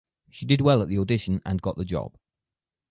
She did well at the audition and got the job.